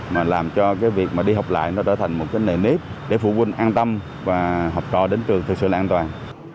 mà làm cho việc đi học lại nó trở thành một nền nếp để phụ huynh an tâm và học trò đến trường thực sự an toàn